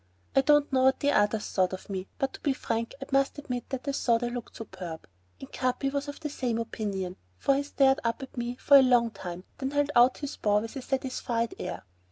I don't know what others thought of me, but to be frank I must admit that I thought I looked superb; and Capi was of the same opinion, for he stared at me for a long time, then held out his paw with a satisfied air.